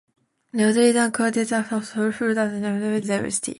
"Rajasthan Diary" quotes it as a soulful, full-throated music with harmonious diversity.